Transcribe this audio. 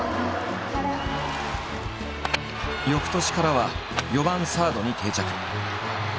翌年からは４番サードに定着。